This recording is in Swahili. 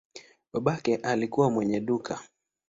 Babake alikuwa mwenye duka.